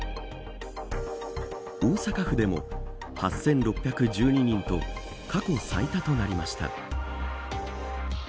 大阪府でも８６１２人と過去最多となりました。